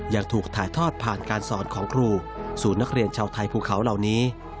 ยังถูกถ่ายทอดผ่านการสอนของครูสู่นักเรียนชาวไทยภูเขาเหล่านี้